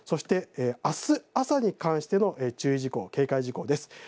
あす朝に関しての注意事項警戒事項です。